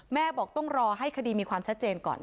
แม่บอกต้องรอให้คดีมีความชัดเจนก่อน